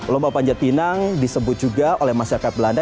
lomba panjat pinang disebut juga oleh masyarakat belanda